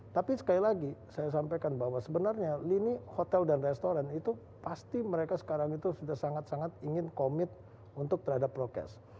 tapi sekali lagi saya sampaikan bahwa sebenarnya lini hotel dan restoran itu pasti mereka sekarang itu sudah sangat sangat ingin komit untuk terhadap prokes